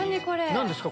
何ですか？